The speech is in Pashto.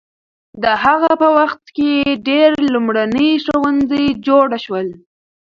د هغه په وخت کې ډېر لومړني ښوونځي جوړ شول.